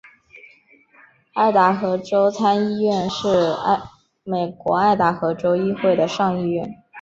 爱达荷州参议院是美国爱达荷州议会的上议院。